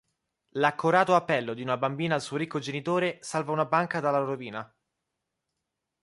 L'accorato appello di una bambina al suo ricco genitore salva una banca dalla rovina.